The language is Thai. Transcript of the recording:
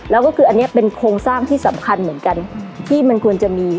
แล้วก็คืออันนี้เป็นโครงสร้างที่สำคัญเหมือนกันที่มันควรจะมี